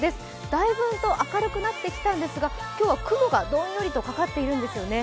だいぶんと明るくなってきたんですが今日は雲がどんよりとかかっているんですよね。